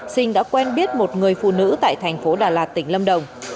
sinh đã quen biết một người phụ nữ tại thành phố đà lạt tỉnh lâm đồng